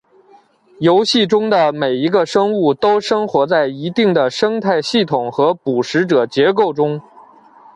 游戏中的每一个生物都生活在一定的生态系统和捕食者结构中。